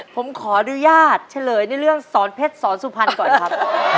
ผมขออนุญาตเฉลยในเรื่องสอนเพชรสอนสุพรรณก่อนครับ